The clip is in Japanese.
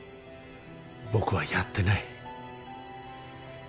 僕はやってない。